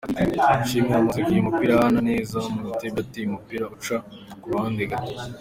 Ishimwe yazamukanye umupira ahana neza na Mutebi ateye umupira uca ku ruhande gato.